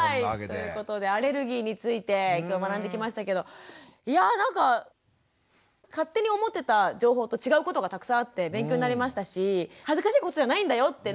ということでアレルギーについて今日学んできましたけどいやぁなんか勝手に思ってた情報と違うことがたくさんあって勉強になりましたし恥ずかしいことじゃないんだよって